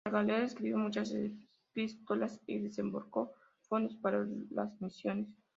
Margaret escribió muchas epístolas y desembolsó fondos para las misiones.